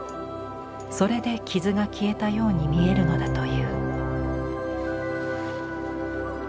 それで傷が消えたように見えるのだという。